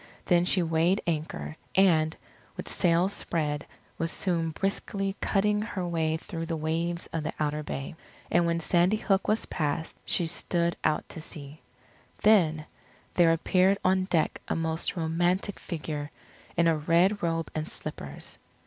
Then she weighed anchor, and, with sails spread, was soon briskly cutting her way through the waves of the outer bay. And when Sandy Hook was passed, she stood out to sea. Then, there appeared on deck a most romantic figure, in a red robe and slippers.